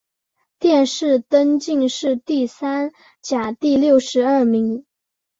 殿试登进士第三甲第六十二名。